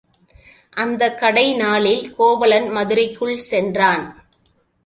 அந்தக் கடை நாளில் கோவலன் மதுரைக்குள் சென்றான்.